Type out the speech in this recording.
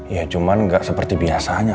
ya cuman nggak seperti biasanya